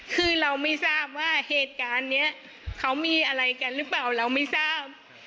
คือเราไม่ทราบว่าเหตุการณ์นี้เขามีอะไรกันหรือเปล่าเราไม่ทราบ